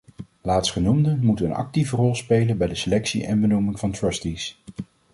Laatstgenoemden moeten een actieve rol spelen bij de selectie en benoeming van trustees.